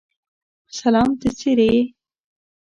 سلام ته څرې یې؟